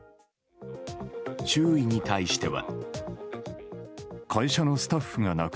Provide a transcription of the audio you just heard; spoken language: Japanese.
周囲に対しては。